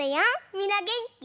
みんなげんき？